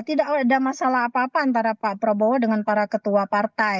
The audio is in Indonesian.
tidak ada masalah apa apa antara pak prabowo dengan para ketua partai